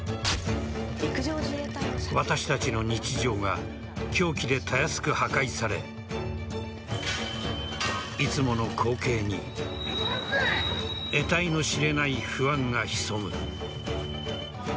私たちの日常が凶器でたやすく破壊されいつもの光景に得体の知れない不安が潜む。